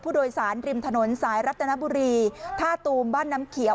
ผู้โดยสารริมถนนสายรัตนบุรีท่าตูมบ้านน้ำเขียว